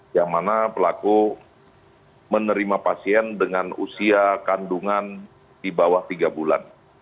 yang mana pelaku menerima pasien dengan usia kandungan di bawah tiga bulan